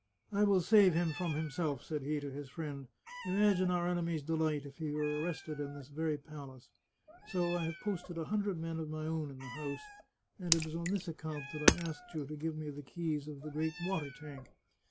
" I will save him from himself," said he to his friend. " Imagine our enemies' delight if he were arrested in this very palace ! So I have posted a hundred men of my own in the house, and it was on this account that I asked you to give me the keys of the great water tank.